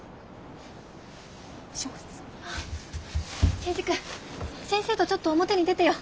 征二君先生とちょっと表に出てようね。